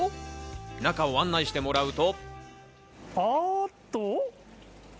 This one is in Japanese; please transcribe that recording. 中を案内してもらうと。